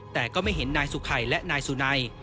แต่ก็ไม่เห็นนายสุขัยและนายสุนัย